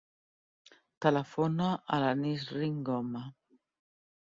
Telefona a la Nisrin Goma.